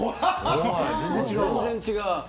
全然違う。